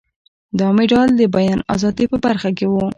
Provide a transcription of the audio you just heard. دا مډال د بیان ازادۍ په برخه کې و.